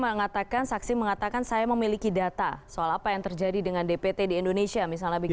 mengatakan saksi mengatakan saya memiliki data soal apa yang terjadi dengan dpt di indonesia misalnya begitu